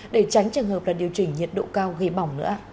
để tránh trường hợp là điều chỉnh nhiệt độ cao gây bỏng nữa